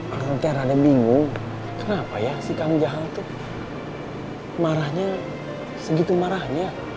orang teh rada bingung kenapa ya si kang jahal tuh marahnya segitu marahnya